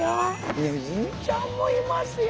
ねずみちゃんもいますよ。